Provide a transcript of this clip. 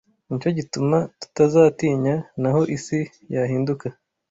Ni cyo gituma tutazatinya, naho isi yahinduka